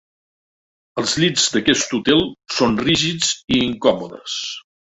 Els llits d'aquest hotel són rígids i incòmodes.